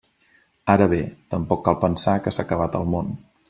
Ara bé, tampoc cal pensar que s'ha acabat el món.